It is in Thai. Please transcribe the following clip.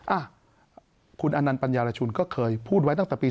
อ่าคุณอปหริชุนก็เคยพูดไว้ตั้งแต่ปี๒๕๔๔